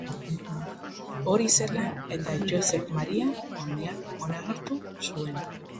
Hori zela eta Josef Maria onartu zuen.